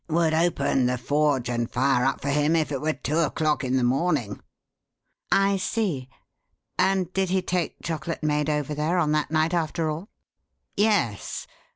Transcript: Would open the forge and fire up for him if it were two o'clock in the morning." "I see. And did he take Chocolate Maid over there on that night, after all?" "Yes.